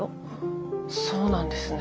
そうなんですね。